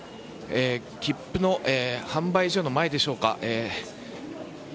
切符の販売所の前でしょうか。